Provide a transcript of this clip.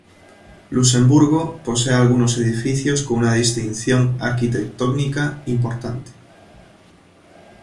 Luxemburgo posee algunos edificios con una distinción arquitectónica importante.